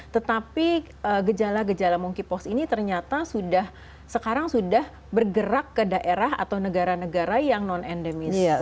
tetapi gejala gejala monkeypox ini ternyata sekarang sudah bergerak ke daerah atau negara negara yang non endemis